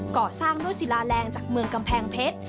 ก่อสร้างด้วยศิลาแรงจากเมืองกำแพงเพชร